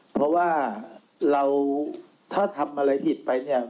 เพราะว่าเราถ้าทำอะไรผิดไปเนี่ย